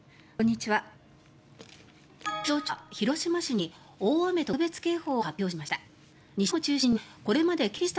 気象庁は広島市に大雨特別警報を発表しました。